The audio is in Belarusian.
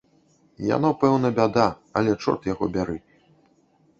Яно, пэўна, бяда, але чорт яго бяры.